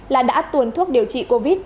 là đã tuồn thuốc điều trị covid